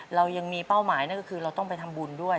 เรายังมีเป้าหมายนั่นก็คือเราต้องไปทำบุญด้วย